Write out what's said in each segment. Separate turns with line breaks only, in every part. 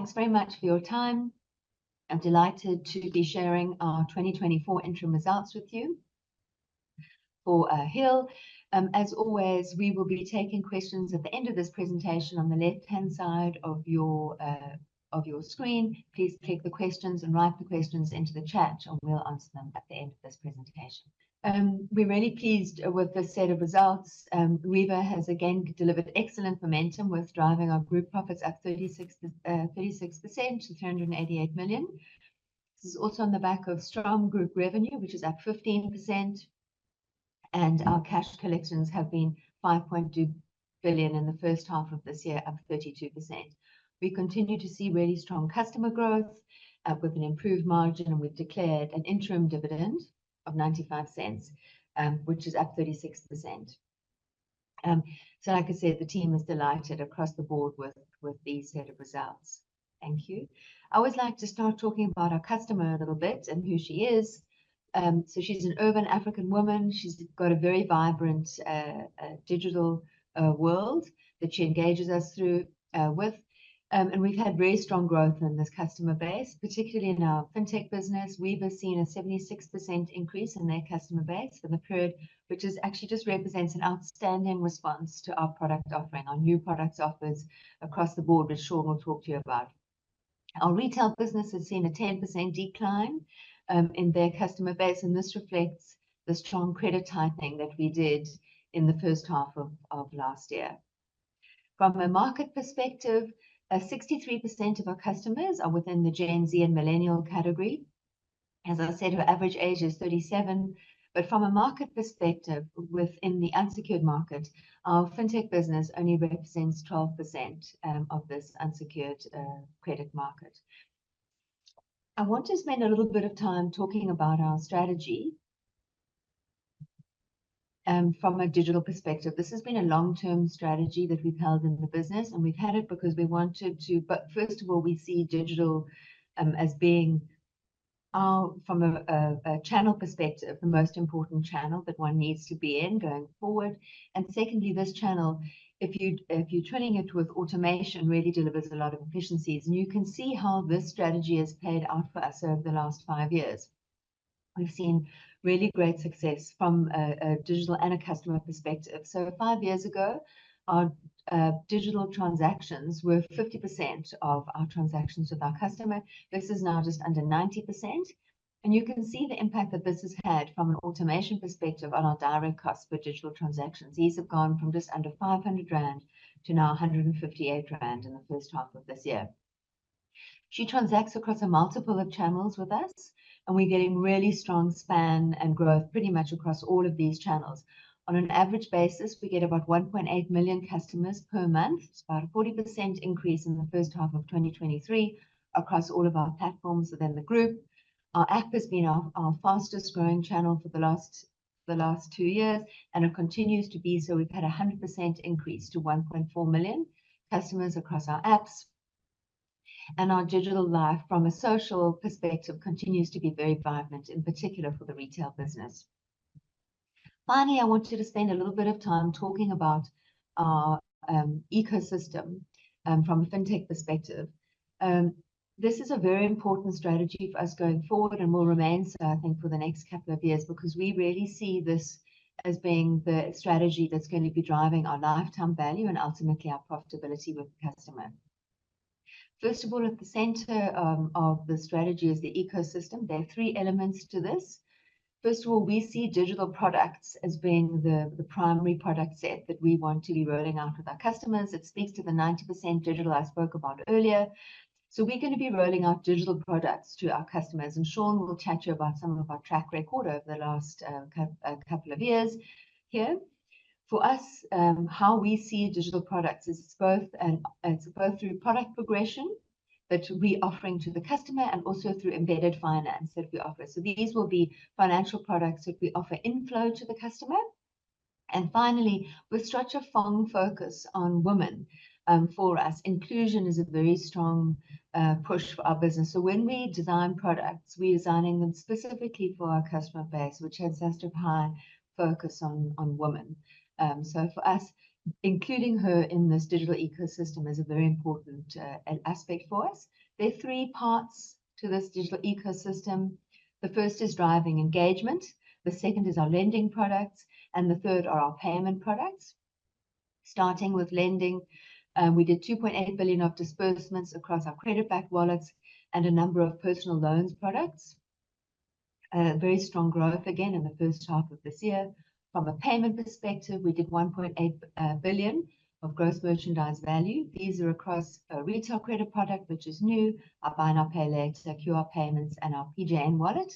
Thanks very much for your time. I'm delighted to be sharing our 2024 interim results with you for HIL. As always, we will be taking questions at the end of this presentation on the left-hand side of your screen. Please take the questions and write the questions into the chat, and we'll answer them at the end of this presentation. We're really pleased with this set of results. Weaver has again delivered excellent momentum with driving our group profits up 36%, 36% to 388 million. This is also on the back of strong group revenue, which is up 15%, and our cash collections have been 5.2 billion in the first half of this year, up 32%. We continue to see really strong customer growth, with an improved margin, and we've declared an interim dividend of 0.95, which is up 36%. So like I said, the team is delighted across the board with these set of results. Thank you. I always like to start talking about our customer a little bit and who she is. So she's an urban African woman. She's got a very vibrant digital world that she engages us through, with. And we've had very strong growth in this customer base, particularly in our fintech business. Weaver's seen a 76% increase in their customer base for the period, which is actually just represents an outstanding response to our product offering, our new products offers across the board, which Sean will talk to you about. Our retail business has seen a 10% decline in their customer base, and this reflects the strong credit tightening that we did in the first half of last year. From a market perspective, 63% of our customers are within the Gen Z and Millennial category. As I said, her average age is 37. But from a market perspective, within the unsecured market, our fintech business only represents 12% of this unsecured credit market. I want to spend a little bit of time talking about our strategy from a digital perspective. This has been a long-term strategy that we've held in the business, and we've had it because we wanted to... But first of all, we see digital as being from a channel perspective, the most important channel that one needs to be in going forward. Secondly, this channel, if you, if you're twinning it with automation, really delivers a lot of efficiencies, and you can see how this strategy has played out for us over the last five years. We've seen really great success from a, a digital and a customer perspective. So five years ago, our digital transactions were 50% of our transactions with our customer. This is now just under 90%, and you can see the impact that this has had from an automation perspective on our direct costs for digital transactions. These have gone from just under 500,000 rand to now 158,000 rand in the first half of this year. She transacts across a multiple of channels with us, and we're getting really strong span and growth pretty much across all of these channels. On an average basis, we get about 1.8 million customers per month. It's about a 40% increase in the first half of 2023 across all of our platforms within the group. Our app has been our fastest-growing channel for the last two years, and it continues to be so. We've had a 100% increase to 1.4 million customers across our apps, and our digital life, from a social perspective, continues to be very vibrant, in particular for the retail business. Finally, I want you to spend a little bit of time talking about our ecosystem from a fintech perspective. This is a very important strategy for us going forward and will remain so, I think, for the next couple of years, because we really see this as being the strategy that's going to be driving our lifetime value and ultimately our profitability with the customer. First of all, at the center of the strategy is the ecosystem. There are three elements to this. First of all, we see digital products as being the primary product set that we want to be rolling out with our customers. It speaks to the 90% digital I spoke about earlier. So we're gonna be rolling out digital products to our customers, and Sean will chat to you about some of our track record over the last couple of years here. For us, how we see digital products is it's both through product progression that we're offering to the customer and also through embedded finance that we offer. So these will be financial products that we offer inflow to the customer. And finally, we stress a firm focus on women. For us, inclusion is a very strong push for our business. So when we design products, we're designing them specifically for our customer base, which has just a high focus on women. So for us, including her in this digital ecosystem is a very important aspect for us. There are three parts to this digital ecosystem. The first is driving engagement, the second is our lending products, and the third are our payment products. Starting with lending, we did 2.8 billion of disbursements across our credit-backed wallets and a number of personal loans products. Very strong growth again in the first half of this year. From a payment perspective, we did 1.8 billion of gross merchandise value. These are across a retail credit product, which is new, our buy now, pay later, secure payments, and our PJN Wallet.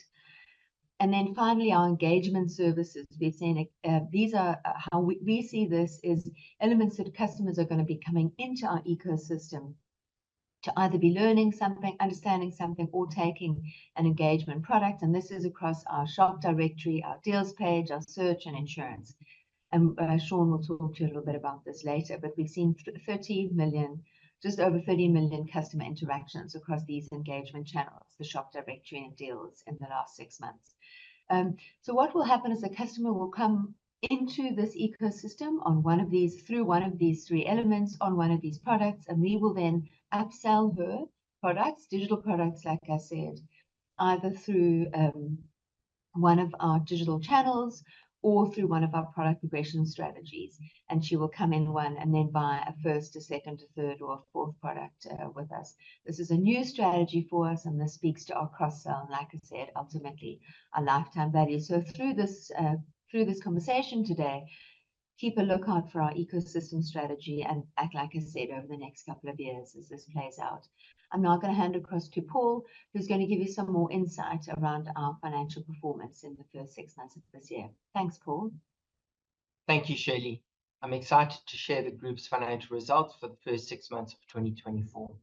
And then finally, our engagement services. We've seen how we see this is elements that customers are gonna be coming into our ecosystem to either be learning something, understanding something, or taking an engagement product, and this is across our shop directory, our deals page, our search, and insurance. And, Sean will talk to you a little bit about this later, but we've seen 13 million, just over 13 million customer interactions across these engagement channels, the shop directory and deals, in the last six months. So what will happen is the customer will come into this ecosystem on one of these through one of these three elements, on one of these products, and we will then upsell her products, digital products, like I said, either through one of our digital channels or through one of our product progression strategies, and she will come in one and then buy a first, a second, a third, or a fourth product with us. This is a new strategy for us, and this speaks to our cross-sell, and like I said, ultimately, our lifetime value. So through this, through this conversation today, keep a lookout for our ecosystem strategy and, like I said, over the next couple of years as this plays out. I'm now gonna hand across to Paul, who's gonna give you some more insight around our financial performance in the first six months of this year. Thanks, Paul.
Thank you, Shirley. I'm excited to share the group's financial results for the first six months of 2024.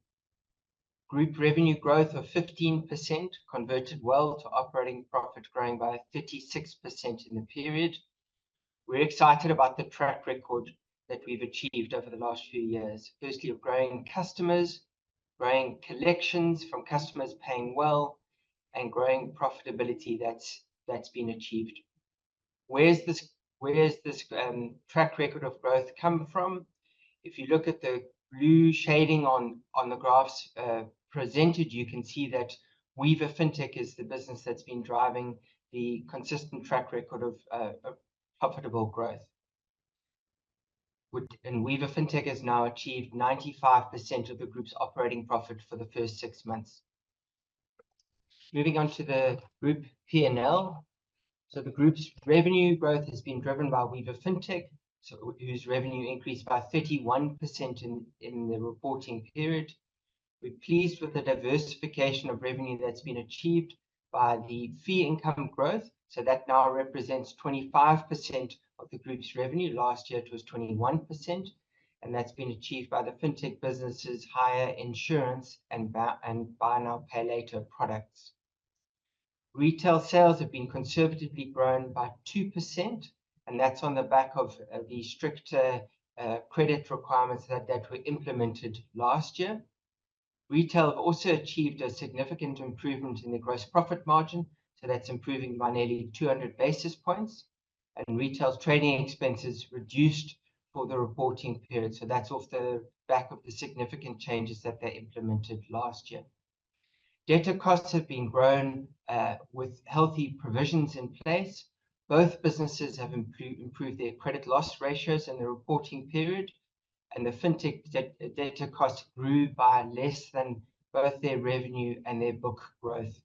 Group revenue growth of 15% converted well to operating profit, growing by 36% in the period. We're excited about the track record that we've achieved over the last few years. Firstly, of growing customers, growing collections from customers paying well, and growing profitability that's been achieved. Where's this track record of growth come from? If you look at the blue shading on the graphs presented, you can see that Weaver Fintech is the business that's been driving the consistent track record of profitable growth. Weaver Fintech has now achieved 95% of the group's operating profit for the first six months. Moving on to the group P&L. So the group's revenue growth has been driven by Weaver Fintech, whose revenue increased by 31% in the reporting period. We're pleased with the diversification of revenue that's been achieved by the fee income growth, so that now represents 25% of the group's revenue. Last year, it was 21%, and that's been achieved by the Fintech businesses' higher insurance and buy now, pay later products. Retail sales have been conservatively grown by 2%, and that's on the back of the stricter credit requirements that were implemented last year. Retail also achieved a significant improvement in the gross profit margin, so that's improving by nearly 200 basis points, and retail's trading expenses reduced for the reporting period. That's off the back of the significant changes that they implemented last year. Debtor costs have been grown with healthy provisions in place. Both businesses have improved their credit loss ratios in the reporting period, and the Fintech debtor costs grew by less than both their revenue and their book growth.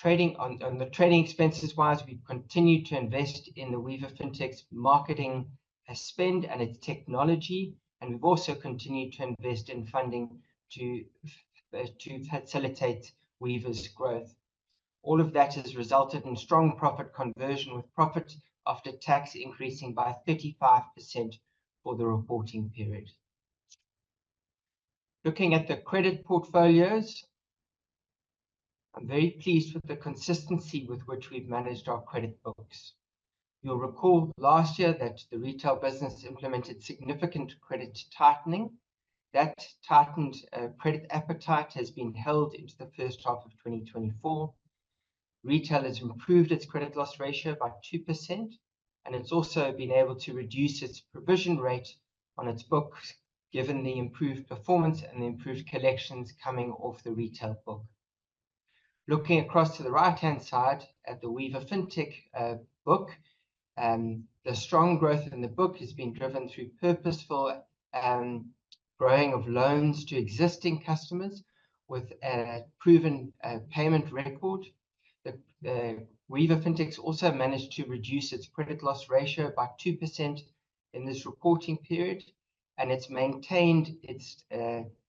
Trading on the trading expenses-wise, we continue to invest in the Weaver Fintech's marketing spend and its technology, and we've also continued to invest in funding to facilitate Weaver's growth. All of that has resulted in strong profit conversion, with profit after tax increasing by 35% for the reporting period. Looking at the credit portfolios, I'm very pleased with the consistency with which we've managed our credit books. You'll recall last year that the retail business implemented significant credit tightening. That tightened credit appetite has been held into the first half of 2024. Retail has improved its credit loss ratio by 2%, and it's also been able to reduce its provision rate on its books, given the improved performance and the improved collections coming off the retail book. Looking across to the right-hand side at the Weaver Fintech book, the strong growth in the book has been driven through purposeful growing of loans to existing customers with a proven payment record. The Weaver Fintech's also managed to reduce its credit loss ratio by 2% in this reporting period, and it's maintained its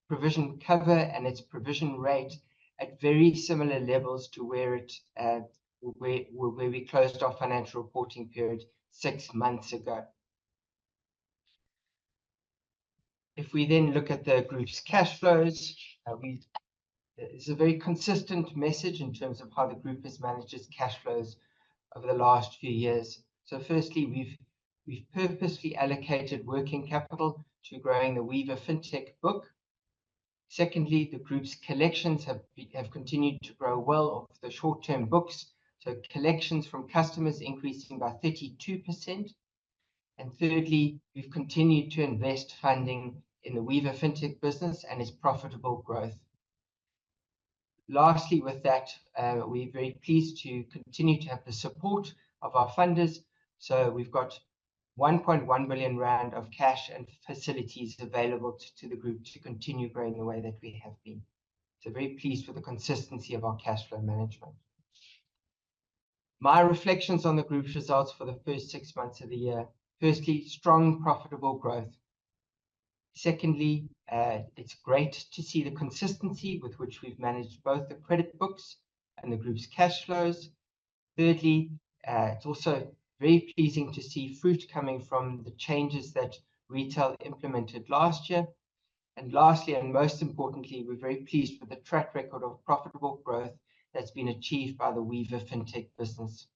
provision cover and its provision rate at very similar levels to where it where we closed our financial reporting period six months ago. If we then look at the group's cash flows, we... It's a very consistent message in terms of how the group has managed its cash flows over the last few years. So firstly, we've, we've purposely allocated working capital to growing the Weaver Fintech book. Secondly, the group's collections have continued to grow well off the short-term books, so collections from customers increasing by 32%. And thirdly, we've continued to invest funding in the Weaver Fintech business and its profitable growth. Lastly, with that, we're very pleased to continue to have the support of our funders. So we've got 1.1 million rand of cash and facilities available to the group to continue growing the way that we have been. So very pleased with the consistency of our cash flow management. My reflections on the group's results for the first six months of the year: firstly, strong, profitable growth. Secondly, it's great to see the consistency with which we've managed both the credit books and the group's cash flows. Thirdly, it's also very pleasing to see fruit coming from the changes that retail implemented last year. And lastly, and most importantly, we're very pleased with the track record of profitable growth that's been achieved by the Weaver Fintech business.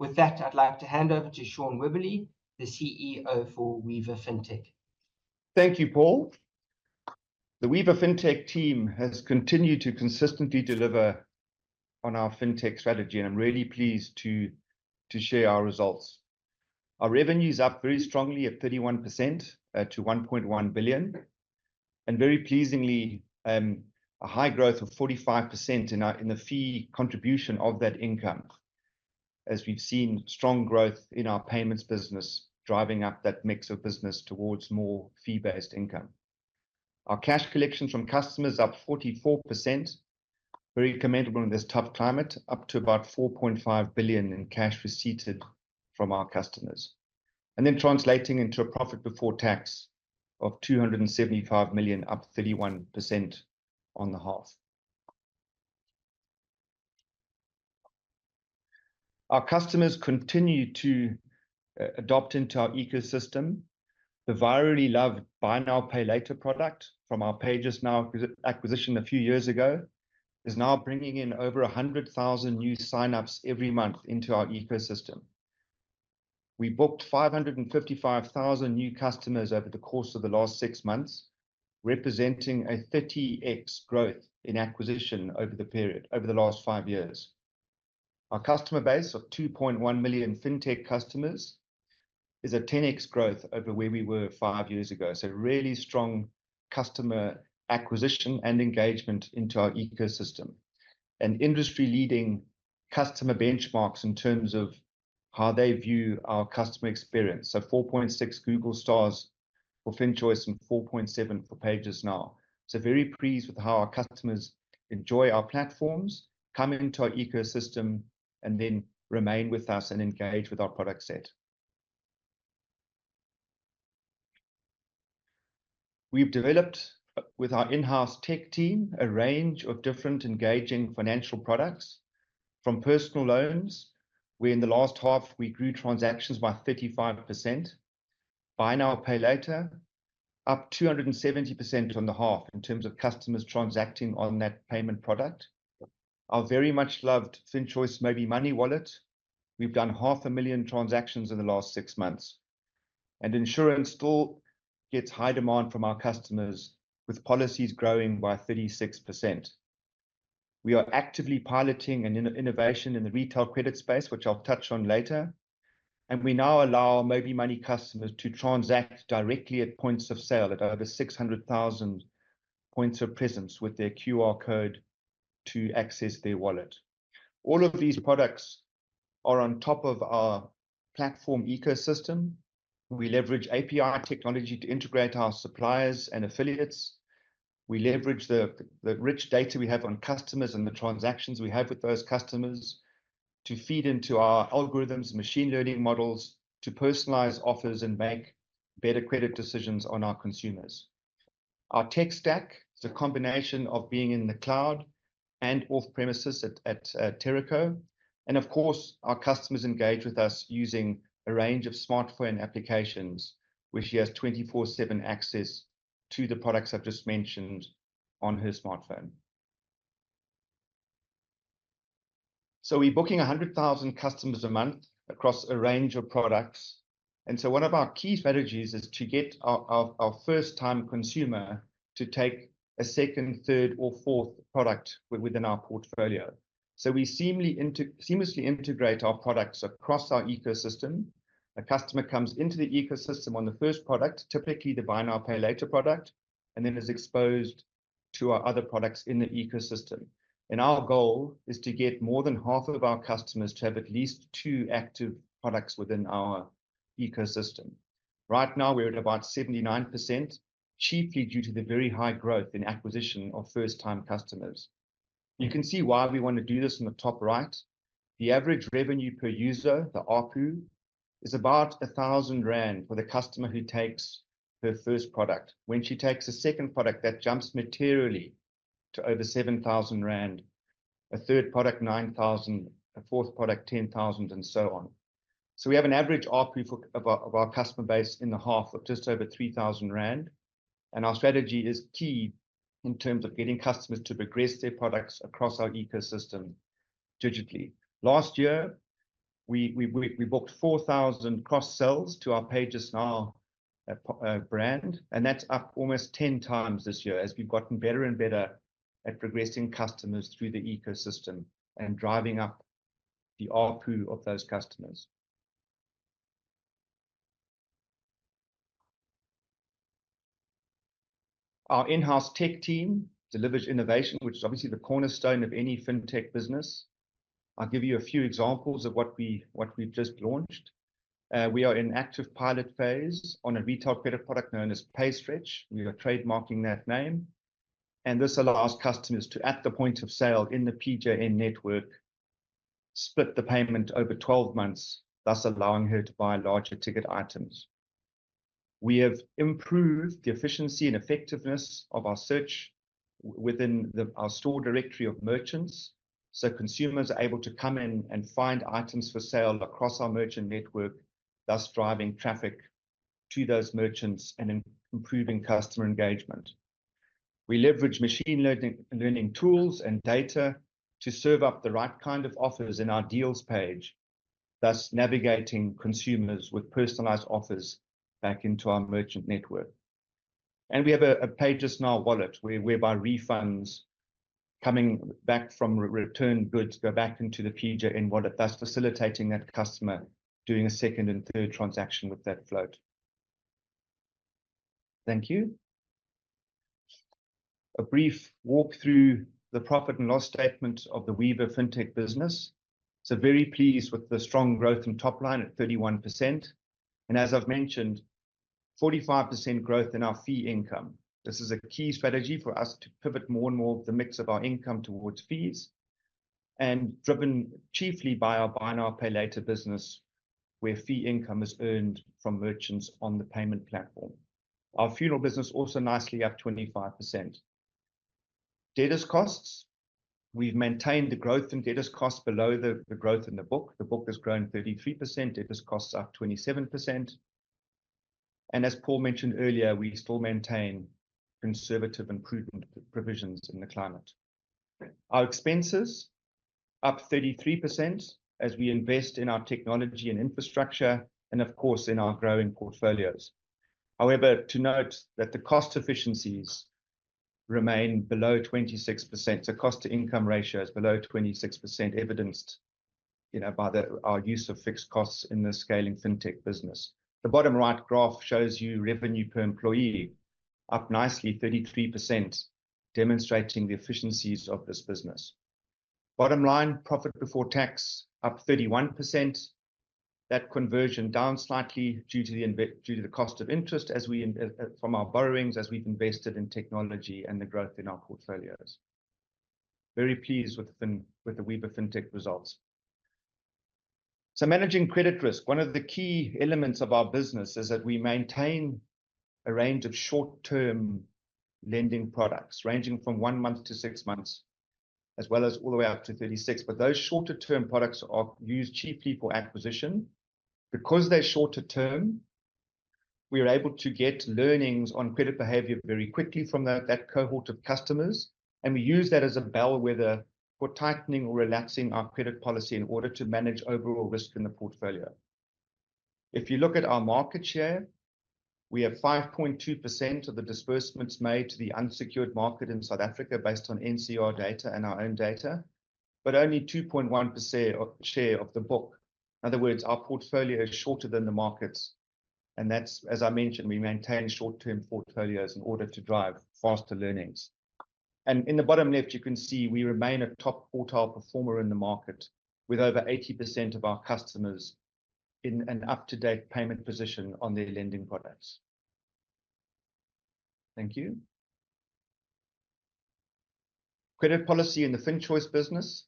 With that, I'd like to hand over to Sean Wibberley, the CEO for Weaver Fintech.
Thank you, Paul. The Weaver Fintech team has continued to consistently deliver on our Fintech strategy, and I'm really pleased to share our results. Our revenue's up very strongly at 31% to 1.1 billion. and very pleasingly, a high growth of 45% in our, in the fee contribution of that income, as we've seen strong growth in our payments business, driving up that mix of business towards more fee-based income. Our cash collections from customers up 44%, very commendable in this tough climate, up to about 4.5 billion in cash receipted from our customers. And then translating into a profit before tax of 275 million, up 31% on the half. Our customers continue to adopt into our ecosystem. The virally loved buy now, pay later product from our PayJustNow acquisition a few years ago, is now bringing in over 100,000 new signups every month into our ecosystem. We booked 555,000 new customers over the course of the last six months, representing a 30x growth in acquisition over the period, over the last five years. Our customer base of 2.1 million fintech customers is a 10x growth over where we were five years ago. So really strong customer acquisition and engagement into our ecosystem. And industry-leading customer benchmarks in terms of how they view our customer experience. So 4.6 Google stars for FinChoice, and 4.7 for PayJustNow. So very pleased with how our customers enjoy our platforms, come into our ecosystem, and then remain with us and engage with our product set. We've developed with our in-house tech team, a range of different engaging financial products, from personal loans, where in the last half we grew transactions by 35%. Buy Now, Pay Later up 270% on the half in terms of customers transacting on that payment product. Our very much loved FinChoice MobiMoney wallet, we've done 500,000 transactions in the last 6 months. Insurance still gets high demand from our customers, with policies growing by 36%. We are actively piloting an innovation in the retail credit space, which I'll touch on later, and we now allow MobiMoney customers to transact directly at points of sale, at over 600,000 points of presence, with their QR code to access their wallet. All of these products are on top of our platform ecosystem. We leverage API technology to integrate our suppliers and affiliates. We leverage the rich data we have on customers and the transactions we have with those customers, to feed into our algorithms, machine learning models, to personalize offers and make better credit decisions on our consumers. Our tech stack is a combination of being in the cloud and off premises at Teraco, and of course, our customers engage with us using a range of smartphone applications, where she has 24/7 access to the products I've just mentioned on her smartphone. So we're booking 100,000 customers a month across a range of products, and so one of our key strategies is to get our first-time consumer to take a second, third, or fourth product within our portfolio. So we seamlessly integrate our products across our ecosystem. A customer comes into the ecosystem on the first product, typically the buy now, pay later product, and then is exposed to our other products in the ecosystem. Our goal is to get more than half of our customers to have at least two active products within our ecosystem. Right now, we're at about 79%, chiefly due to the very high growth in acquisition of first-time customers. You can see why we want to do this in the top right. The average revenue per user, the ARPU, is about 1,000 rand for the customer who takes her first product. When she takes a second product, that jumps materially to over 7,000 rand, a third product, 9,000, a fourth product, 10,000, and so on. So we have an average ARPU of our customer base in the half of just over 3,000 rand, and our strategy is key in terms of getting customers to progress their products across our ecosystem digitally. Last year, we booked 4,000 cross-sells to our PayJustNow brand, and that's up almost 10 times this year, as we've gotten better and better at progressing customers through the ecosystem and driving up the ARPU of those customers. Our in-house tech team delivers innovation, which is obviously the cornerstone of any Fintech business. I'll give you a few examples of what we've just launched. We are in active pilot phase on a retail credit product known as PayStretch. We are trademarking that name, and this allows customers to, at the point of sale in the PJN network, split the payment over 12 months, thus allowing her to buy larger ticket items. We have improved the efficiency and effectiveness of our search within our store directory of merchants, so consumers are able to come in and find items for sale across our merchant network, thus driving traffic to those merchants and improving customer engagement. We leverage machine learning tools and data to serve up the right kind of offers in our deals page, thus navigating consumers with personalized offers back into our merchant network. And we have a PayJustNow wallet, whereby refunds coming back from returned goods go back into the PJN, thus facilitating that customer doing a second and third transaction with that float. Thank you. A brief walk through the profit and loss statement of the Weaver Fintech business. So very pleased with the strong growth in top line at 31%. And as I've mentioned, 45% growth in our fee income. This is a key strategy for us to pivot more and more of the mix of our income towards fees, and driven chiefly by our buy now, pay later business, where fee income is earned from merchants on the payment platform. Our funeral business also nicely up 25%. Debtors costs, we've maintained the growth in debtors costs below the growth in the book. The book has grown 33%, debtors costs are up 27%. And as Paul mentioned earlier, we still maintain conservative and prudent provisions in the climate. Our expenses up 33% as we invest in our technology and infrastructure and of course, in our growing portfolios. However, to note that the cost efficiencies remain below 26%. So cost to income ratio is below 26%, evidenced, you know, by our use of fixed costs in the scaling fintech business. The bottom right graph shows you revenue per employee up nicely 33%, demonstrating the efficiencies of this business. Bottom line, profit before tax up 31%. That conversion down slightly due to the cost of interest as we in, from our borrowings, as we've invested in technology and the growth in our portfolios. Very pleased with the Weaver Fintech results. So managing credit risk, one of the key elements of our business is that we maintain a range of short-term lending products, ranging from one month to six months, as well as all the way out to 36. But those shorter-term products are used chiefly for acquisition. Because they're shorter term, we are able to get learnings on credit behavior very quickly from that, that cohort of customers, and we use that as a bellwether for tightening or relaxing our credit policy in order to manage overall risk in the portfolio. If you look at our market share, we have 5.2% of the disbursements made to the unsecured market in South Africa, based on NCR data and our own data, but only 2.1% of share of the book. In other words, our portfolio is shorter than the markets, and that's, as I mentioned, we maintain short-term portfolios in order to drive faster learnings. In the bottom left, you can see we remain a top quartile performer in the market, with over 80% of our customers in an up-to-date payment position on their lending products. Thank you. Credit policy in the FinChoice business.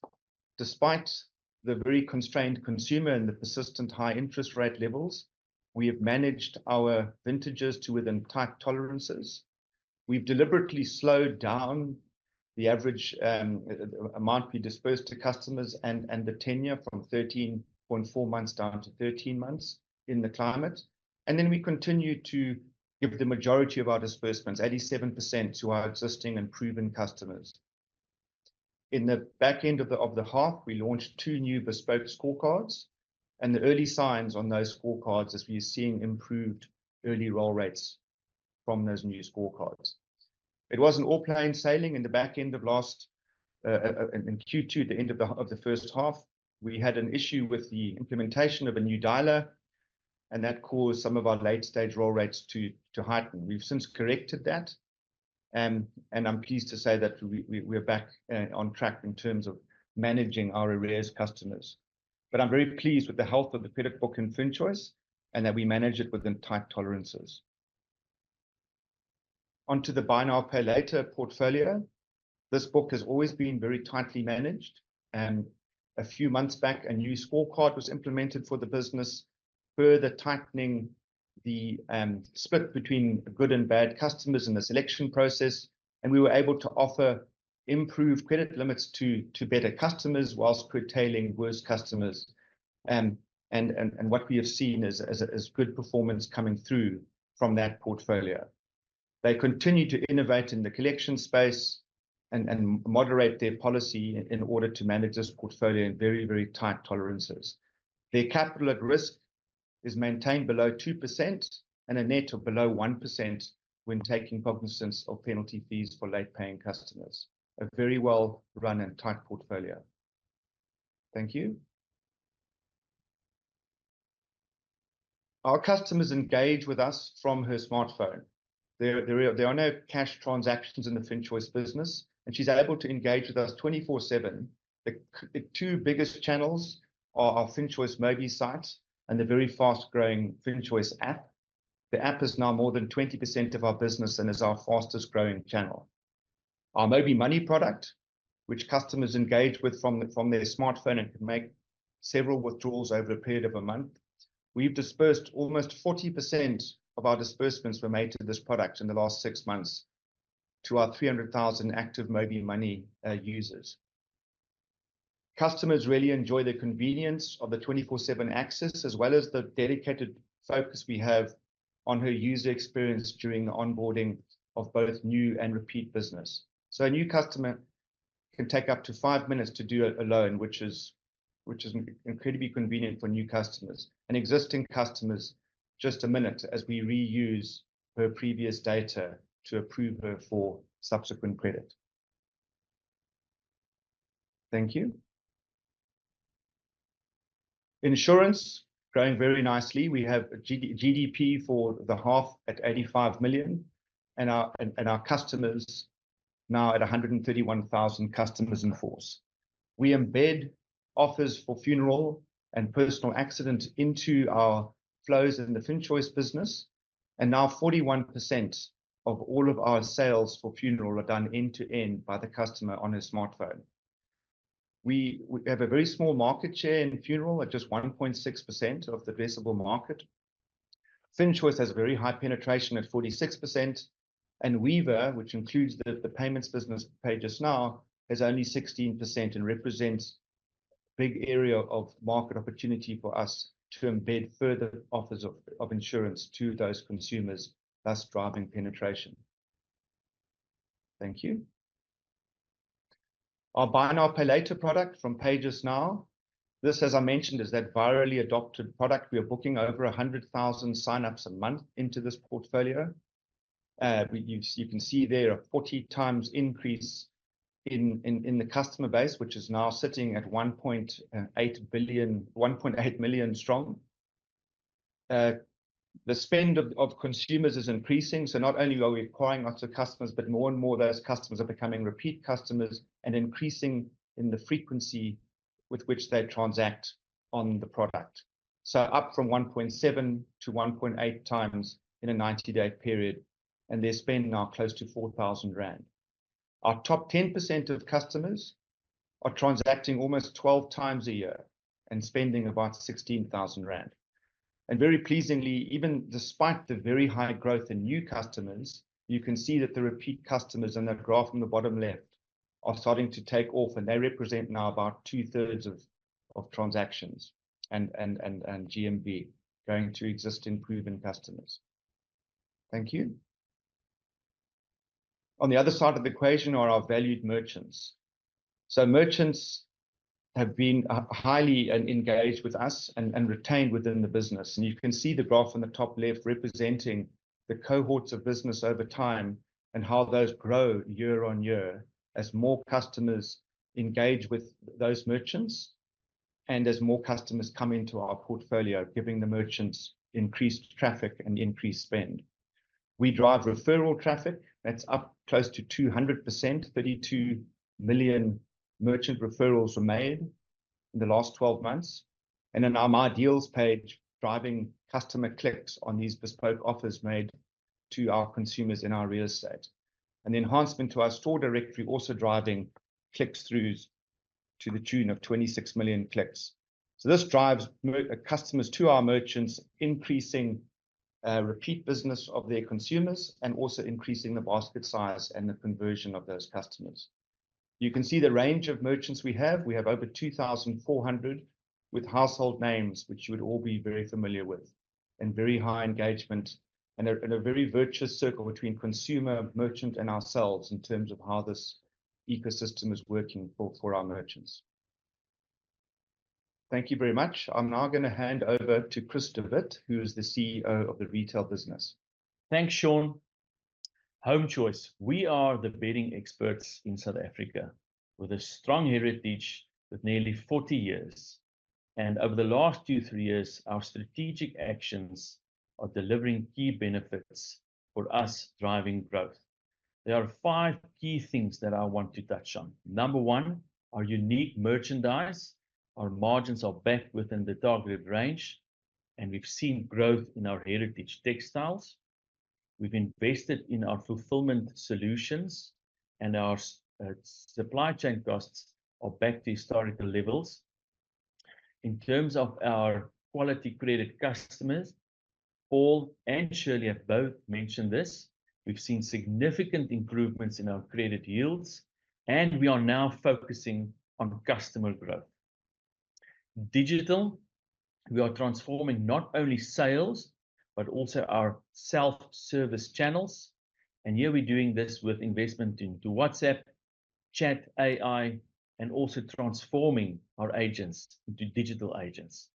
Despite the very constrained consumer and the persistent high interest rate levels, we have managed our vintages to within tight tolerances. We've deliberately slowed down the average amount we disperse to customers and the tenure from 13.4 months down to 13 months in the climate. And then we continue to give the majority of our disbursements, 87%, to our existing and proven customers. In the back end of the half, we launched two new bespoke scorecards, and the early signs on those scorecards is we're seeing improved early roll rates from those new scorecards. It wasn't all plain sailing in the back end of last in Q2, the end of the first half, we had an issue with the implementation of a new Dialer, and that caused some of our late-stage roll rates to heighten. We've since corrected that, and I'm pleased to say that we're back on track in terms of managing our arrears customers. But I'm very pleased with the health of the credit book in FinChoice, and that we manage it within tight tolerances. Onto the buy now, pay later portfolio. This book has always been very tightly managed, and a few months back, a new scorecard was implemented for the business, further tightening the split between good and bad customers in the selection process, and we were able to offer improved credit limits to better customers whilst curtailing worse customers. What we have seen is good performance coming through from that portfolio. They continue to innovate in the collection space and moderate their policy in order to manage this portfolio in very, very tight tolerances. Their capital at risk is maintained below 2% and a net of below 1% when taking cognizance of penalty fees for late paying customers. A very well-run and tight portfolio. Thank you. Our customers engage with us from her smartphone. There are no cash transactions in the FinChoice business, and she's able to engage with us 24/7. The two biggest channels are our FinChoice MobiSite and the very fast-growing FinChoice App. The App is now more than 20% of our business and is our fastest growing channel. Our MobiMoney product, which customers engage with from their smartphone and can make several withdrawals over a period of a month. We've disbursed. Almost 40% of our disbursements were made to this product in the last six months to our 300,000 active MobiMoney users. Customers really enjoy the convenience of the 24/7 access, as well as the dedicated focus we have on her user experience during the onboarding of both new and repeat business. So a new customer can take up to five minutes to do a loan, which is... which is incredibly convenient for new customers. And existing customers, just a minute as we reuse her previous data to approve her for subsequent credit. Thank you. Insurance, growing very nicely. We have a GDP for the half at 85 million, and our customers now at 131,000 customers in force. We embed offers for funeral and personal accident into our flows in the FinChoice business, and now 41% of all of our sales for funeral are done end-to-end by the customer on his smartphone. We have a very small market share in funeral, at just 1.6% of the addressable market. FinChoice has very high penetration at 46%, and Weaver, which includes the payments business PayJustNow, has only 16% and represents a big area of market opportunity for us to embed further offers of insurance to those consumers, thus driving penetration. Thank you. Our buy now, pay later product from PayJustNow, this, as I mentioned, is that virally adopted product. We are booking over 100,000 sign-ups a month into this portfolio. You can see there a 40 times increase in the customer base, which is now sitting at 1.8 million strong. The spend of consumers is increasing, so not only are we acquiring lots of customers, but more and more of those customers are becoming repeat customers and increasing in the frequency with which they transact on the product. So up from 1.7 to 1.8 times in a 90-day period, and they're spending now close to 4,000 rand. Our top 10% of customers are transacting almost 12 times a year and spending about 16,000 rand. And very pleasingly, even despite the very high growth in new customers, you can see that the repeat customers in that graph in the bottom left are starting to take off, and they represent now about two-thirds of transactions and GMV, going to existing proven customers. Thank you. On the other side of the equation are our valued merchants. So merchants have been highly engaged with us and retained within the business, and you can see the graph on the top left representing the cohorts of business over time and how those grow year-on-year as more customers engage with those merchants and as more customers come into our portfolio, giving the merchants increased traffic and increased spend. We drive referral traffic that's up close to 200%: 32 million merchant referrals were made in the last 12 months. And then our My Deals page, driving customer clicks on these bespoke offers made to our consumers in our real estate. An enhancement to our store directory also driving click-throughs to the tune of 26 million clicks. So this drives more customers to our merchants, increasing repeat business of their consumers and also increasing the basket size and the conversion of those customers. You can see the range of merchants we have. We have over 2,400, with household names which you would all be very familiar with, and very high engagement, and a very virtuous circle between consumer, merchant, and ourselves in terms of how this ecosystem is working for our merchants. Thank you very much. I'm now gonna hand over to Chris de Wit, who is the CEO of the retail business.
Thanks, Sean. HomeChoice. We are the bedding experts in South Africa, with a strong heritage of nearly 40 years. Over the last two, three years, our strategic actions are delivering key benefits for us, driving growth. There are five key things that I want to touch on. Number one, our unique merchandise. Our margins are back within the target range, and we've seen growth in our heritage textiles. We've invested in our fulfillment solutions, and our supply chain costs are back to historical levels. In terms of our quality credit customers, Paul and Shirley have both mentioned this, we've seen significant improvements in our credit yields, and we are now focusing on customer growth. Digital, we are transforming not only sales, but also our self-service channels, and here we're doing this with investment into WhatsApp, chat AI, and also transforming our agents into digital agents.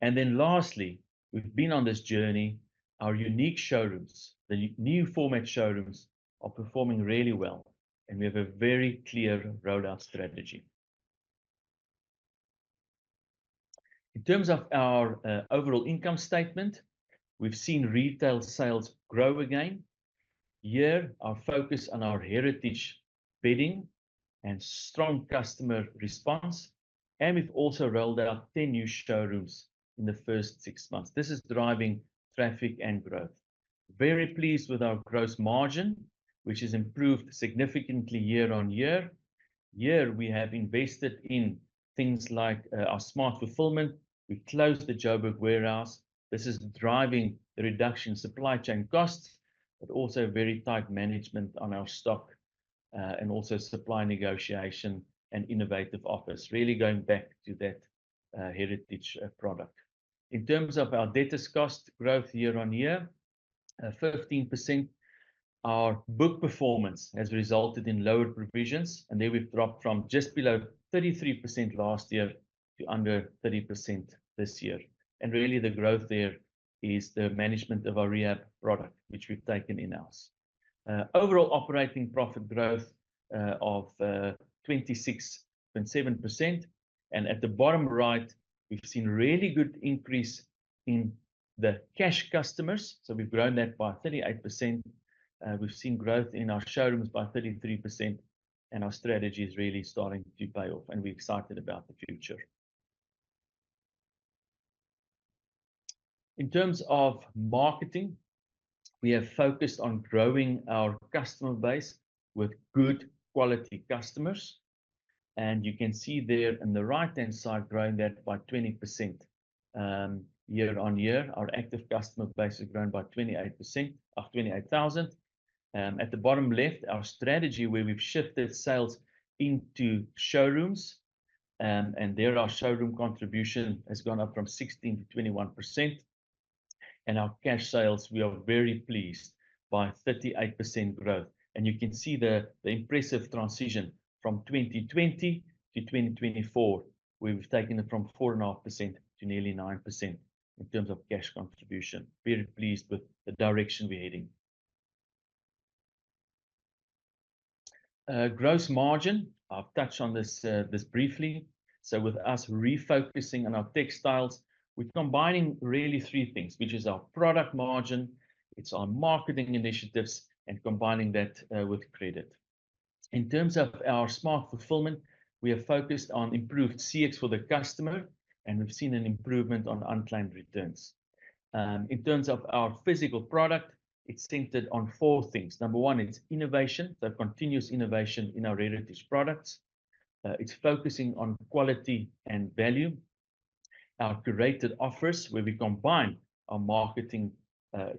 Then lastly, we've been on this journey, our unique showrooms, the new format showrooms, are performing really well, and we have a very clear rollout strategy. In terms of our overall income statement, we've seen retail sales grow again. Here, our focus on our heritage bedding and strong customer response, and we've also rolled out 10 new showrooms in the first 6 months. This is driving traffic and growth. Very pleased with our gross margin, which has improved significantly year-on-year. Here, we have invested in things like our Smart Fulfillment. We closed the Joburg warehouse. This is driving the reduction in supply chain costs, but also very tight management on our stock and also supply negotiation and innovative offers, really going back to that heritage product. In terms of our debtors cost growth year-on-year, 15%. Our book performance has resulted in lower provisions, and there we've dropped from just below 33% last year to under 30% this year. And really, the growth there is the management of our REAP product, which we've taken in-house. Overall operating profit growth of 26.7%, and at the bottom right, we've seen really good increase in the cash customers. So we've grown that by 38%. We've seen growth in our showrooms by 33%, and our strategy is really starting to pay off, and we're excited about the future. In terms of marketing, we have focused on growing our customer base with good quality customers, and you can see there on the right-hand side, growing that by 20%. Year-on-year, our active customer base has grown by 28%, 28,000. At the bottom left, our strategy where we've shifted sales into showrooms, and there our showroom contribution has gone up from 16%-21%. And our cash sales, we are very pleased by 38% growth, and you can see the impressive transition from 2020 to 2024, where we've taken it from 4.5% to nearly 9% in terms of cash contribution. Very pleased with the direction we're heading. Gross margin, I've touched on this briefly. So with us refocusing on our textiles, we're combining really three things, which is our product margin, it's our marketing initiatives, and combining that with credit. In terms of our Smart Fulfillment, we are focused on improved CX for the customer, and we've seen an improvement on unclaimed returns. In terms of our physical product, it's centered on four things. Number one, it's innovation, the continuous innovation in our retail products. It's focusing on quality and value. Our curated offers, where we combine our marketing,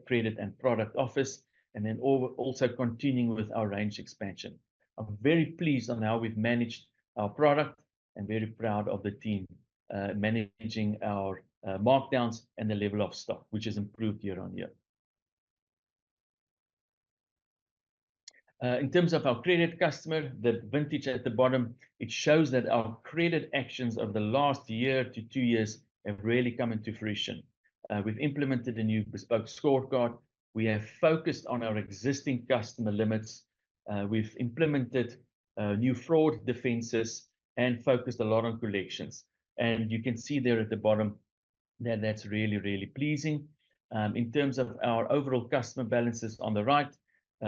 credit, and product offers, and then also continuing with our range expansion. I'm very pleased on how we've managed our product and very proud of the team managing our markdowns and the level of stock, which has improved year-on-year. In terms of our credit customer, the vintage at the bottom, it shows that our credit actions of the last year to 2 years have really come into fruition. We've implemented a new bespoke scorecard. We have focused on our existing customer limits. We've implemented new fraud defenses and focused a lot on collections. You can see there at the bottom that that's really, really pleasing. In terms of our overall customer balances on the right,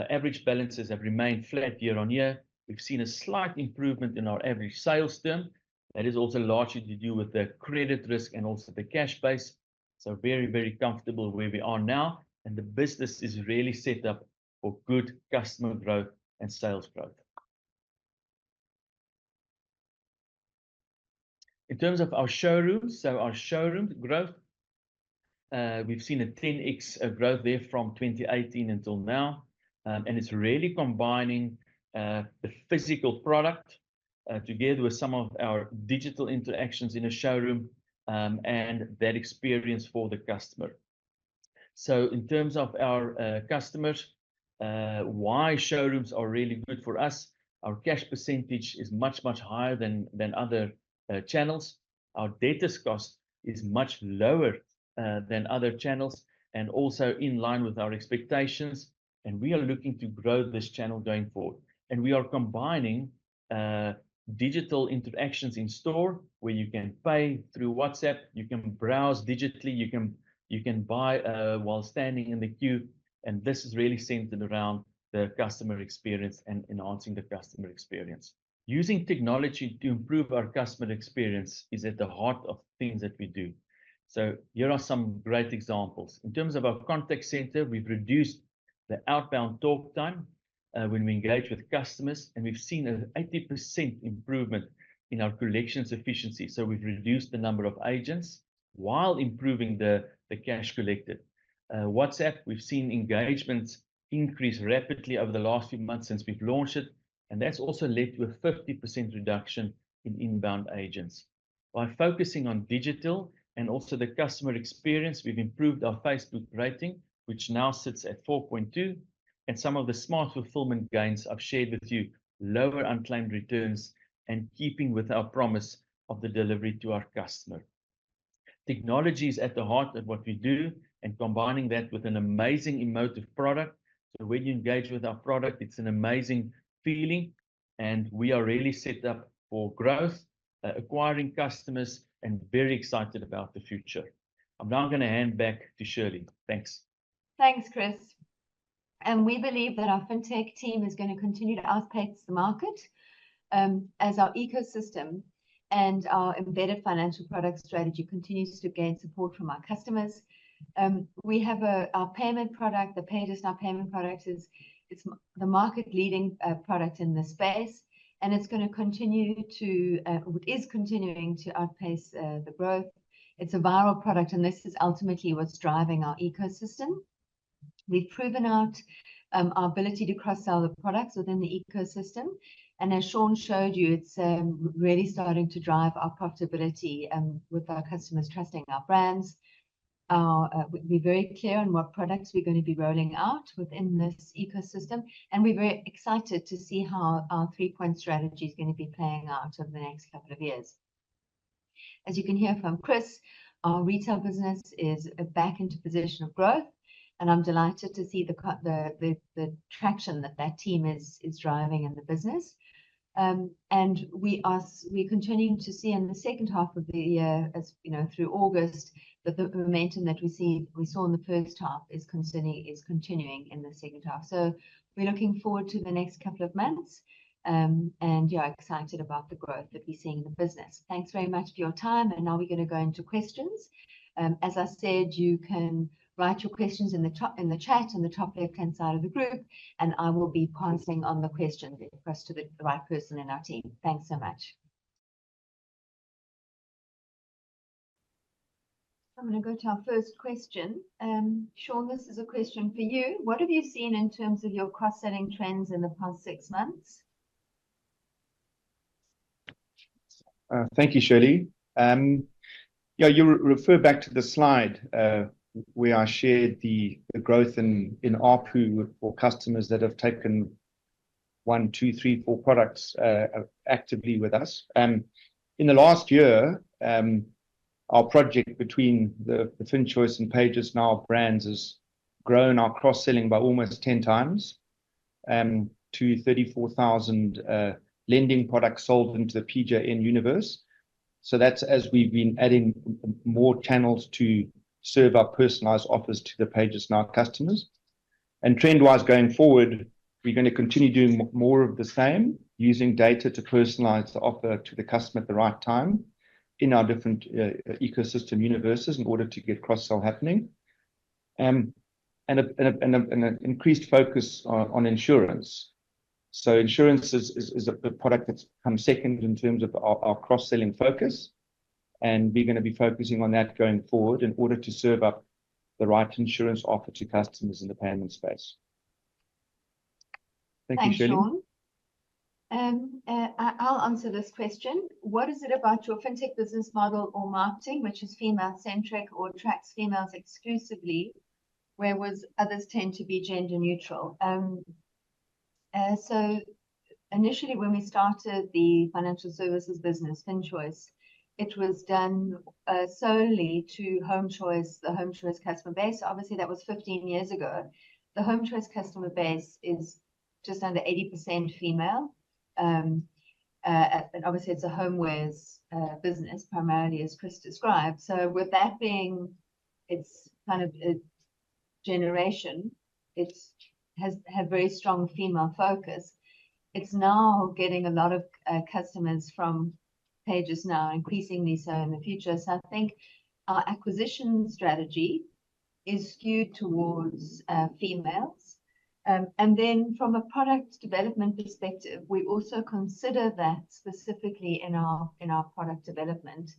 average balances have remained flat year-on-year. We've seen a slight improvement in our average sales term. That is also largely to do with the credit risk and also the cash base. So very, very comfortable where we are now, and the business is really set up for good customer growth and sales growth. In terms of our showrooms, so our showroom growth, we've seen a 10x growth there from 2018 until now. And it's really combining the physical product together with some of our digital interactions in a showroom, and that experience for the customer. So in terms of our customers, why showrooms are really good for us, our cash percentage is much, much higher than other channels. Our debtors cost is much lower than other channels, and also in line with our expectations, and we are looking to grow this channel going forward. And we are combining digital interactions in store, where you can pay through WhatsApp, you can browse digitally, you can buy while standing in the queue, and this is really centered around the customer experience and enhancing the customer experience. Using technology to improve our customer experience is at the heart of things that we do. So here are some great examples. In terms of our contact center, we've reduced the outbound talk time when we engage with customers, and we've seen an 80% improvement in our collections efficiency. So we've reduced the number of agents while improving the cash collected. WhatsApp, we've seen engagements increase rapidly over the last few months since we've launched it, and that's also led to a 50% reduction in inbound agents. By focusing on digital and also the customer experience, we've improved our Facebook rating, which now sits at 4.2, and some of the Smart Fulfillment gains I've shared with you, lower unclaimed returns and keeping with our promise of the delivery to our customer. Technology is at the heart of what we do and combining that with an amazing emotive product. So when you engage with our product, it's an amazing feeling, and we are really set up for growth, acquiring customers, and very excited about the future. I'm now gonna hand back to Shirley. Thanks.
Thanks, Chris. We believe that our fintech team is gonna continue to outpace the market, as our ecosystem and our embedded financial product strategy continues to gain support from our customers. We have our payment product, the PayJustNow payment product is... It's the market-leading product in this space, and it's gonna continue to, it is continuing to outpace the growth. It's a viral product, and this is ultimately what's driving our ecosystem. We've proven out our ability to cross-sell the products within the ecosystem, and as Sean showed you, it's really starting to drive our profitability with our customers trusting our brands. We'll be very clear on what products we're gonna be rolling out within this ecosystem, and we're very excited to see how our three-point strategy is gonna be playing out over the next couple of years. As you can hear from Chris, our retail business is back into a position of growth, and I'm delighted to see the traction that that team is driving in the business. We're continuing to see in the second half of the year, as you know, through August, that the momentum that we saw in the first half is continuing in the second half. So we're looking forward to the next couple of months, and yeah, excited about the growth that we're seeing in the business. Thanks very much for your time, and now we're gonna go into questions. As I said, you can write your questions in the top, in the chat, in the top left-hand side of the group, and I will be passing on the question first to the right person in our team. Thanks so much. I'm gonna go to our first question. Sean, this is a question for you: What have you seen in terms of your cross-selling trends in the past six months?
Thank you, Shirley. Yeah, you refer back to the slide, where I shared the growth in ARPU for customers that have taken one, two, three, four products actively with us. In the last year, our project between the FinChoice and PayJustNow brands has grown our cross-selling by almost 10 times, to 34,000 lending products sold into the PJN universe. So that's as we've been adding more channels to serve our personalized offers to the PayJustNow customers. Trend-wise, going forward, we're gonna continue doing more of the same, using data to personalize the offer to the customer at the right time in our different ecosystem universes in order to get cross-sell happening, and an increased focus on insurance. So insurance is a product that's come second in terms of our cross-selling focus, and we're gonna be focusing on that going forward in order to serve up the right insurance offer to customers in the payment space. Thank you, Shirley.
Thanks, Sean. I'll answer this question: What is it about your fintech business model or marketing, which is female-centric or attracts females exclusively, whereas others tend to be gender-neutral? So initially, when we started the financial services business, FinChoice, it was done solely to HomeChoice, the HomeChoice customer base. Obviously, that was 15 years ago. The HomeChoice customer base is just under 80% female. And obviously it's a homewares business primarily, as Chris described. So with that being, it's kind of a generation, it has had very strong female focus. It's now getting a lot of customers from PayJustNow, increasingly so in the future. So I think our acquisition strategy is skewed towards females. And then from a product development perspective, we also consider that specifically in our, in our product development.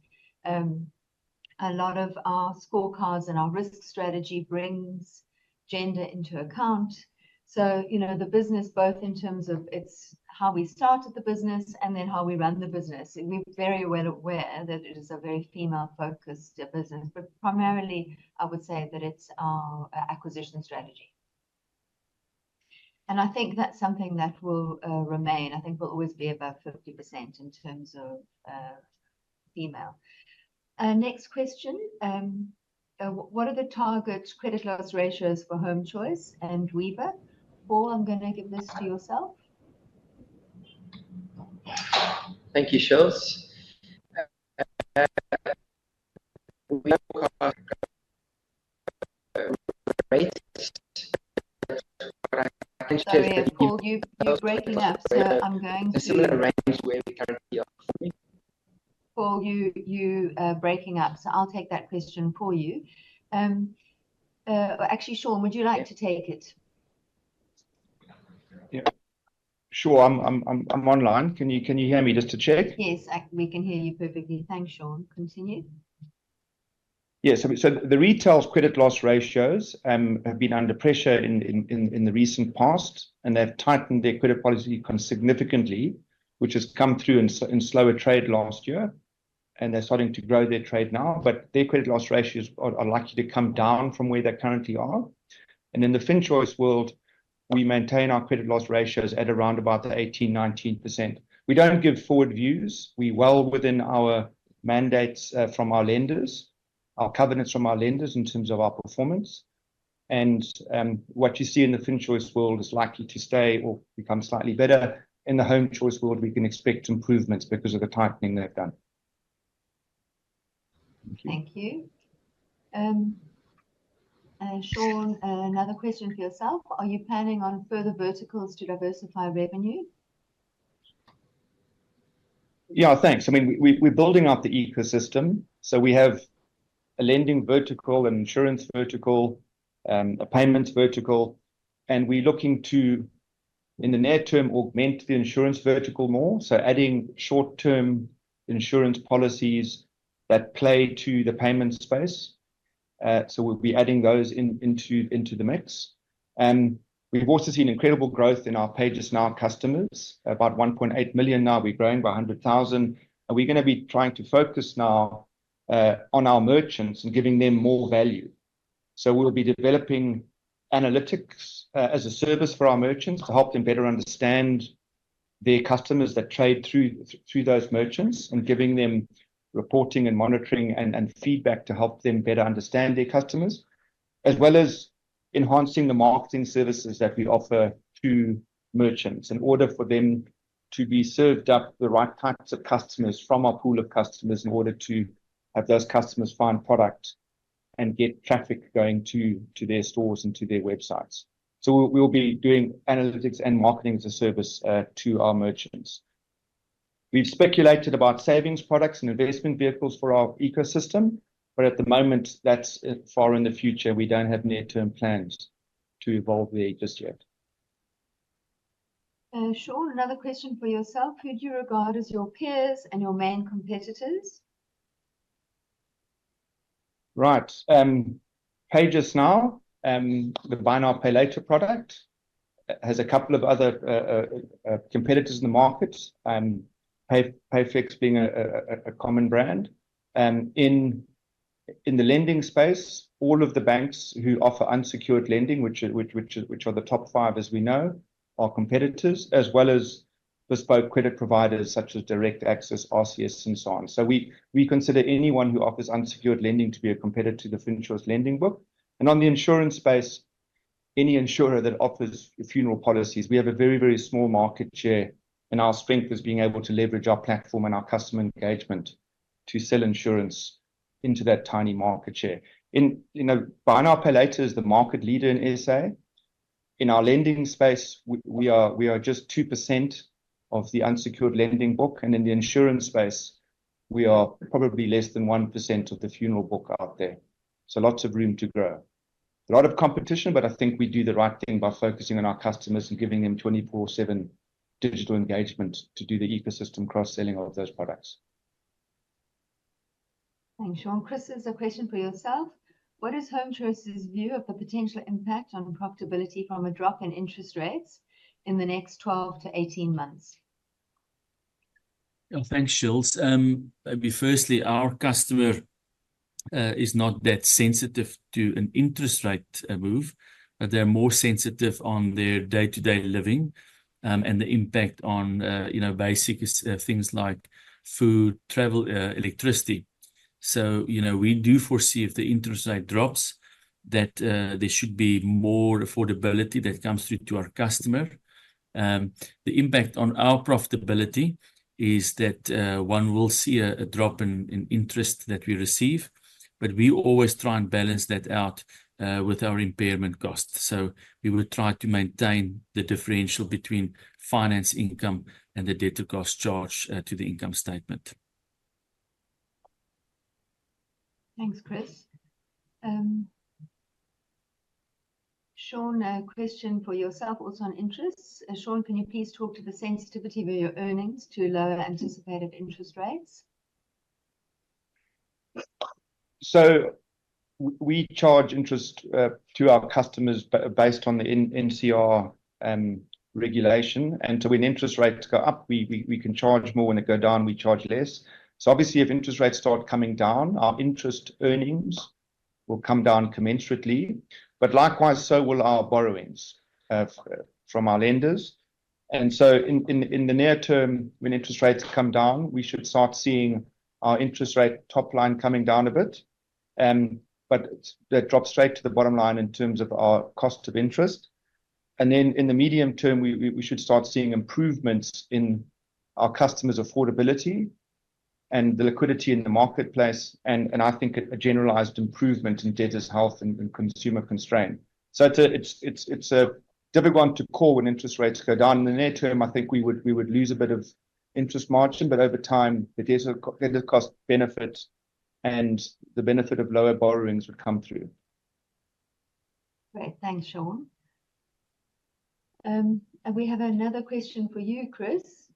A lot of our scorecards and our risk strategy brings gender into account. So, you know, the business, both in terms of its... how we started the business and then how we run the business, and we're very well aware that it is a very female-focused, business, but primarily, I would say that it's our acquisition strategy. And I think that's something that will, remain. I think we'll always be above 50% in terms of, female. Next question: what are the target credit loss ratios for HomeChoice and Weaver? Paul, I'm gonna give this to yourself.
Thank you, Shirley. Weaver, range, but I think just-
Sorry, Paul, you're breaking up, so I'm going to-
A similar range where we currently are.
Paul, you are breaking up, so I'll take that question for you. Actually, Sean, would you like to take it?
Yeah. Sure. I'm online. Can you hear me, just to check?
Yes, we can hear you perfectly. Thanks, Sean. Continue.
Yeah. So the retail's credit loss ratios have been under pressure in the recent past, and they've tightened their credit policy significantly, which has come through in slower trade last year, and they're starting to grow their trade now. But their credit loss ratios are likely to come down from where they currently are. In the FinChoice world, we maintain our credit loss ratios at around about 18%-19%. We don't give forward views. We're well within our mandates from our lenders, our covenants from our lenders in terms of our performance, and what you see in the FinChoice world is likely to stay or become slightly better. In the HomeChoice world, we can expect improvements because of the tightening they've done.
Thank you. Thank you. Sean, another question for yourself: Are you planning on further verticals to diversify revenue?
Yeah, thanks. I mean, we're building out the ecosystem, so we have a lending vertical, an insurance vertical, a payments vertical, and we're looking to, in the near term, augment the insurance vertical more, so adding short-term insurance policies that play to the payments space. So we'll be adding those in, into the mix, and we've also seen incredible growth in our PayJustNow customers, about 1.8 million now. We're growing by 100,000, and we're gonna be trying to focus now on our merchants and giving them more value. So we'll be developing analytics as a service for our merchants to help them better understand their customers that trade through those merchants, and giving them reporting and monitoring and feedback to help them better understand their customers. As well as enhancing the marketing services that we offer to merchants, in order for them to be served up the right types of customers from our pool of customers in order to have those customers find product and get traffic going to, to their stores and to their websites. So we, we'll be doing analytics and marketing as a service to our merchants. We've speculated about savings products and investment vehicles for our ecosystem, but at the moment, that's far in the future. We don't have near-term plans to evolve there just yet.
Sean, another question for yourself: Who do you regard as your peers and your main competitors?
Right. PayJustNow, the buy now, pay later product, has a couple of other competitors in the market, Payflex being a common brand. In the lending space, all of the banks who offer unsecured lending, which are the top five as we know, are competitors, as well as bespoke credit providers such as DirectAxis, RCS, and so on. So we consider anyone who offers unsecured lending to be a competitor to the FinChoice lending book. And on the insurance space, any insurer that offers funeral policies. We have a very, very small market share, and our strength is being able to leverage our platform and our customer engagement to sell insurance into that tiny market share. In, you know, buy now, pay later is the market leader in SA. In our lending space, we are just 2% of the unsecured lending book, and in the insurance space, we are probably less than 1% of the funeral book out there. So lots of room to grow. A lot of competition, but I think we do the right thing by focusing on our customers and giving them 24/7 digital engagement to do the ecosystem cross-selling of those products.
Thanks, Sean. Chris, there's a question for yourself: What is HomeChoice's view of the potential impact on profitability from a drop in interest rates in the next 12 to 18 months?
Yeah. Thanks, Shirley. Maybe firstly, our customer is not that sensitive to an interest rate move. They're more sensitive on their day-to-day living, and the impact on, you know, basic things like food, travel, electricity. So, you know, we do foresee if the interest rate drops, that there should be more affordability that comes through to our customer. The impact on our profitability is that, one will see a drop in interest that we receive, but we always try and balance that out with our impairment costs. So we would try to maintain the differential between finance income and the debtor cost charge to the income statement.
Thanks, Chris. Sean, a question for yourself also on interest: Sean, can you please talk to the sensitivity of your earnings to lower anticipated interest rates?
So we charge interest to our customers based on the NCR regulation. So when interest rates go up, we can charge more. When they go down, we charge less. So obviously, if interest rates start coming down, our interest earnings will come down commensurately, but likewise, so will our borrowings from our lenders. So in the near term, when interest rates come down, we should start seeing our interest rate top line coming down a bit. But that drops straight to the bottom line in terms of our cost of interest. And then in the medium term, we should start seeing improvements in our customers' affordability and the liquidity in the marketplace, and I think a generalized improvement in debtors' health and consumer constraint. So it's a... It's a difficult one to call when interest rates go down. In the near term, I think we would lose a bit of interest margin, but over time, the debtor cost benefit and the benefit of lower borrowings would come through.
Great. Thanks, Sean. We have another question for you, Chris.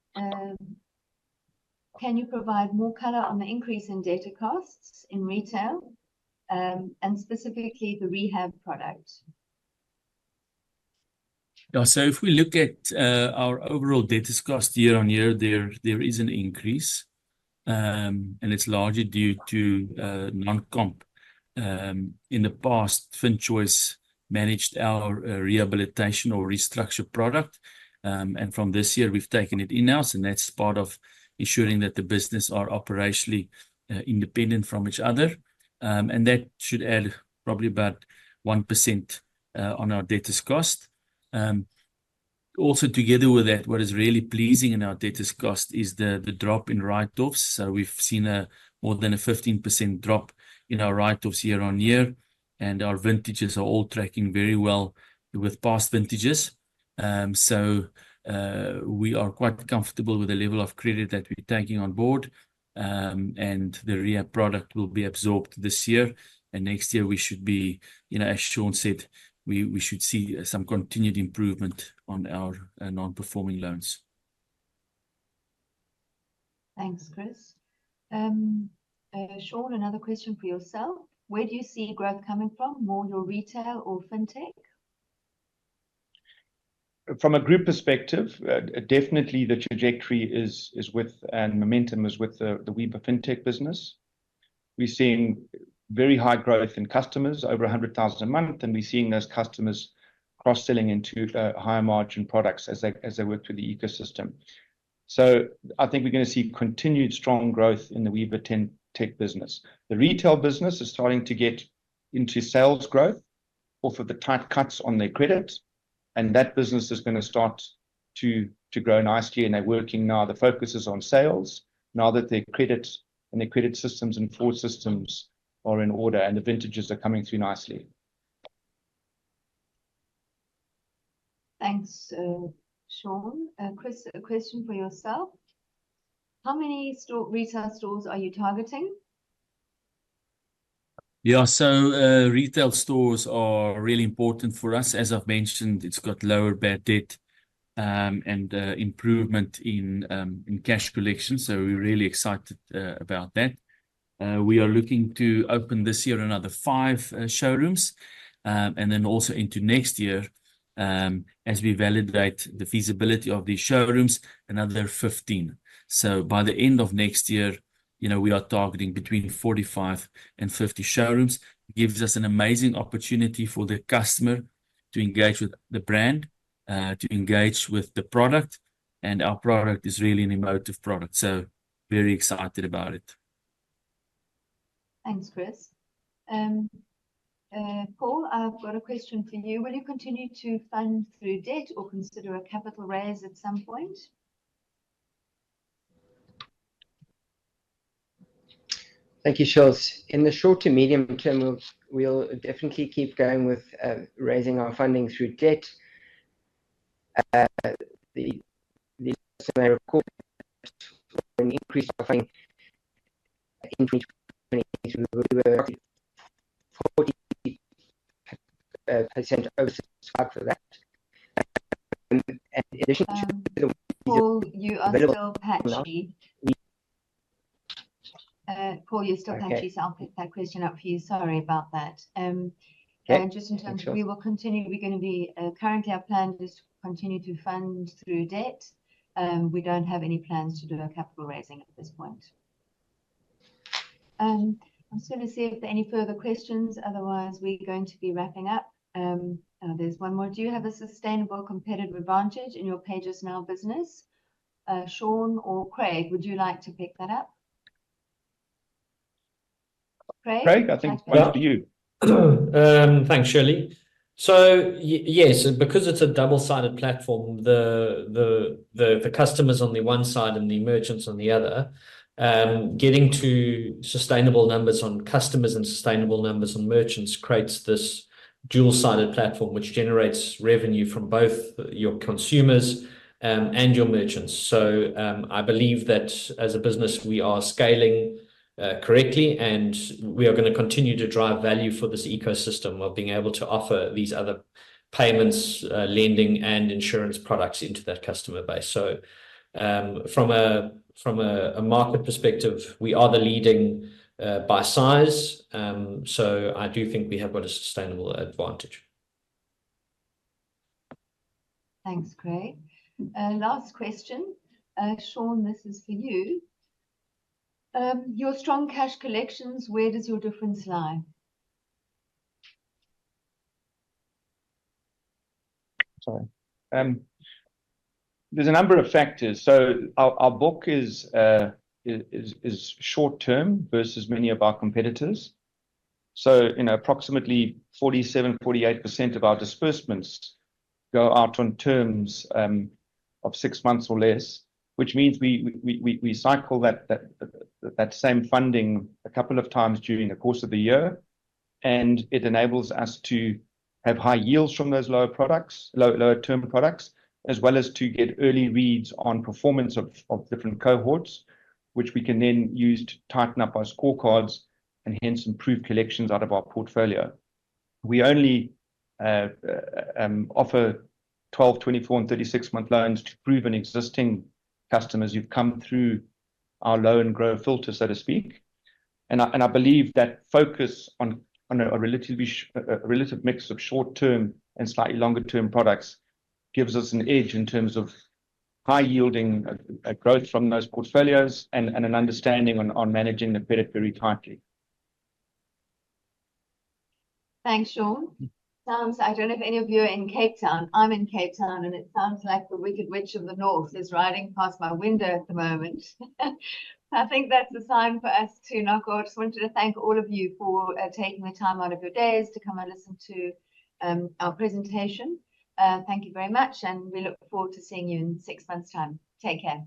Can you provide more color on the increase in debtor costs in retail, and specifically the rehab product?
Yeah. So if we look at our overall debtors cost year-on-year, there is an increase, and it's largely due to non-comp. In the past, FinChoice managed our rehabilitation or restructure product, and from this year we've taken it in-house, and that's part of ensuring that the business are operationally independent from each other. And that should add probably about 1% on our debtors cost. Also together with that, what is really pleasing in our debtors cost is the drop in write-offs. So we've seen more than a 15% drop in our write-offs year-on-year, and our vintages are all tracking very well with past vintages. So we are quite comfortable with the level of credit that we're taking on board. The rehab product will be absorbed this year, and next year we should be, you know, as Sean said, we should see some continued improvement on our non-performing loans.
Thanks, Chris. Sean, another question for yourself: Where do you see growth coming from, more your retail or fintech?
From a group perspective, definitely the trajectory is with, and momentum is with the Weaver Fintech business. We're seeing very high growth in customers, over 100,000 a month, and we're seeing those customers cross-selling into higher margin products as they work through the ecosystem. So I think we're gonna see continued strong growth in the Weaver Fintech business. The retail business is starting to get into sales growth off of the tight cuts on their credit, and that business is gonna start to grow nicely, and they're working now. The focus is on sales now that their credit and their credit systems and fraud systems are in order, and the vintages are coming through nicely.
Thanks, Sean. Chris, a question for yourself. How many retail stores are you targeting?
Yeah, so, retail stores are really important for us. As I've mentioned, it's got lower bad debt, and improvement in cash collection, so we're really excited about that. We are looking to open this year another five showrooms, and then also into next year, as we validate the feasibility of these showrooms, another 15. So by the end of next year, you know, we are targeting between 45 and 50 showrooms. Gives us an amazing opportunity for the customer to engage with the brand, to engage with the product, and our product is really an emotive product, so very excited about it.
Thanks, Chris. Paul, I've got a question for you. Will you continue to fund through debt or consider a capital raise at some point?
Thank you, Shirley. In the short to medium term, we'll definitely keep going with raising our funding through debt. The semi-report an increase of in which we were 40% oversubscribed for that. And in addition to-
Paul, you are still patchy. Paul, you're still patchy-
Okay.
So I'll pick that question up for you. Sorry about that.
Okay. Sure.
Just in terms, we will continue. We're gonna be, currently our plan is to continue to fund through debt. We don't have any plans to do a capital raising at this point. I'm just gonna see if there are any further questions. Otherwise, we're going to be wrapping up. There's one more. Do you have a sustainable competitive advantage in your PayJustNow business? Sean or Craig, would you like to pick that up? Craig?
Craig, I think it's to you.
Thanks, Shirley. So yes, because it's a double-sided platform, the customers on the one side and the merchants on the other, getting to sustainable numbers on customers and sustainable numbers on merchants creates this dual-sided platform, which generates revenue from both your consumers and your merchants. So, I believe that as a business, we are scaling correctly, and we are gonna continue to drive value for this ecosystem while being able to offer these other payments, lending, and insurance products into that customer base. So, from a market perspective, we are the leading by size. So I do think we have got a sustainable advantage.
Thanks, Craig. Last question. Sean, this is for you. Your strong cash collections, where does your difference lie?
Sorry. There's a number of factors. So our book is short term versus many of our competitors. So, you know, approximately 47%-48% of our disbursements go out on terms of 6 months or less, which means we cycle that same funding a couple of times during the course of the year, and it enables us to have high yields from those lower products, lower-term products, as well as to get early reads on performance of different cohorts, which we can then use to tighten up our scorecards and hence improve collections out of our portfolio. We only offer 12-, 24-, and 36-month loans to proven existing customers who've come through our Low and Grow filter, so to speak. I believe that focus on a relatively relative mix of short-term and slightly longer-term products gives us an edge in terms of high-yielding growth from those portfolios and an understanding on managing the credit very tightly.
Thanks, Sean. Sounds... I don't know if any of you are in Cape Town. I'm in Cape Town, and it sounds like the Wicked Witch of the North is riding past my window at the moment. I think that's a sign for us to knock off. I just wanted to thank all of you for taking the time out of your days to come and listen to our presentation. Thank you very much, and we look forward to seeing you in six months' time. Take care.